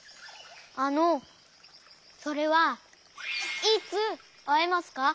あのそれはいつあえますか？